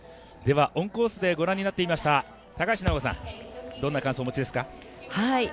オンコースでご覧になっていました高橋尚子さん、どんな感想をお持ちですか。